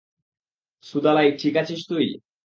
সুদালাই, ঠিক আছিস তুই?